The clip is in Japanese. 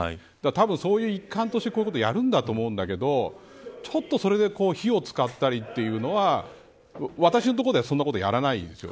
そういう一環としてこういうことをやるんだと思うんだけどちょっとそれで火を使ったりというのは私のところではそんなことはやらないですよ。